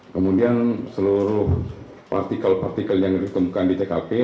kemudian seluruh partikel partikel yang ditemukan di tkp